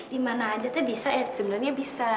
di mana aja tuh bisa ya sebenarnya bisa